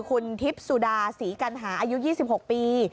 คุณทิพย์สุดาศรีกัณหาอายุ๒๖ปี